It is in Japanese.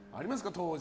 当時。